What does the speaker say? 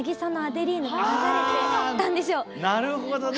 なるほどね。